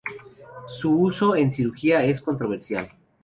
Su uso en cirugía es controversial.